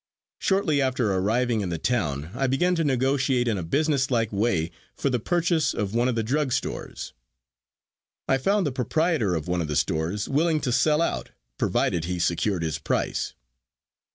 Shortly after arriving in the town I began to negotiate in a business like way for the purchase of one of the drug stores. I found the proprietor of one of the stores willing to sell out provided he secured his price.